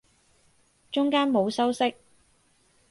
中間冇修飾